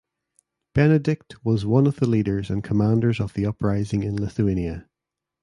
Benedykt was one of the leaders and commanders of the uprising in Lithuania.